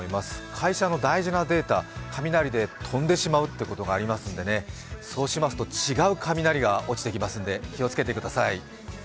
会社の大事なデータ雷で飛んでしまうということがありますのでね、そうしますと違う雷が落ちてきますんで、気を付けてください。